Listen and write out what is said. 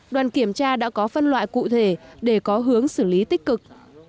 đoàn kiểm tra đã có phân loại cụ thể để có hướng xử lý tích cực